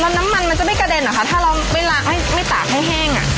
แล้วน้ำมันมันจะไม่กระเด็นเหรอคะถ้าเราไม่ล้างไม่ตากให้แห้งอ่ะ